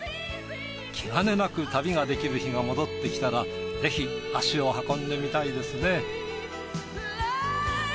気兼ねなく旅ができる日が戻ってきたらぜひ足を運んでみたいですね。